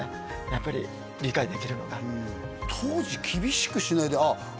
やっぱり理解できるのがうん当時厳しくしないでああＩＫＫＯ